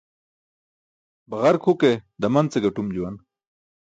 Baġark huke daman ce gatum juwan.